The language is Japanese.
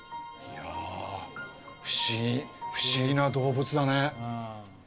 不思議不思議な動物だね。